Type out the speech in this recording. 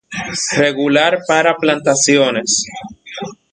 Regular para plantaciones.